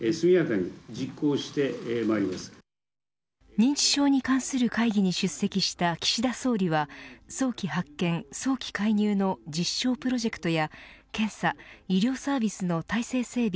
認知症に関する会議に出席した岸田総理は早期発見・早期介入の実証プロジェクトや検査・医療サービスの体制整備